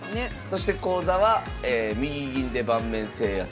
そして講座は「右銀で盤面制圧」。